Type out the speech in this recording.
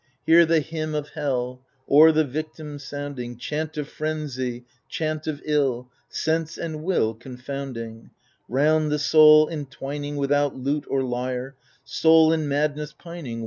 Hear the hymn of hell, O'er the victim sounding, — Chant of frenzy, chant of ill, Sense and will confounding I Round the soul entwining Without lute or lyre — Soul in madness pining.